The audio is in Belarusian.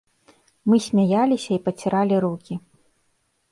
Мы смяяліся і паціралі рукі.